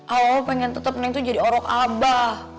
abah mah pengen tetep neng itu jadi orang abah